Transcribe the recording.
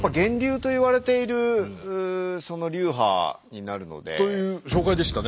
という紹介でしたね。